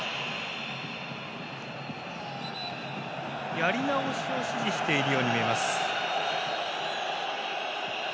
やり直しを指示しているように見えます。